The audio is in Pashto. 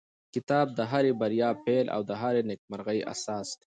کتاب د هرې بریا پیل او د هرې نېکمرغۍ اساس دی.